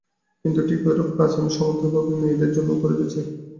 কিন্তু ঠিক ঐরূপ কাজ আমি সমান্তরালভাবে মেয়েদের জন্যও করিতে চাই।